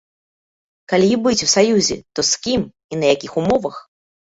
Калі і быць у саюзе, то з кім і на якіх умовах?